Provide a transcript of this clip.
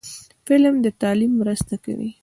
فلم د تعلیم مرسته کوي